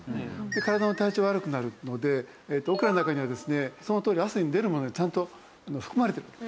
で体の体調悪くなるのでオクラの中にはですねそのとおり汗で出るものがちゃんと含まれてる。